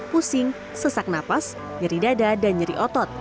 pusing sesak nafas nyeri dada dan nyeri otot